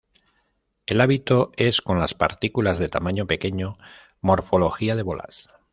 El hábito es con las partículas de tamaño pequeño morfología de bolas.